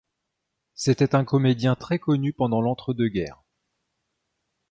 C'était un comédien très connu pendant l'entre-deux-guerres.